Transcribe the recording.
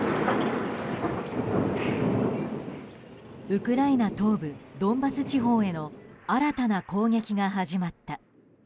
ウクライナ東部ドンバス地方への新たな攻撃が始まった。